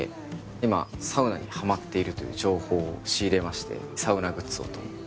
今サウナにハマっているという情報を仕入れましてサウナグッズをと。